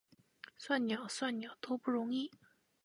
算鸟，算鸟，都不容易！